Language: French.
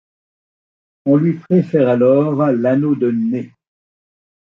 On lui préfère alors l'anneau de nez.